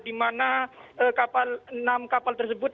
di mana enam kapal tersebut